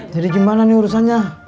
jadi gimana nih urusannya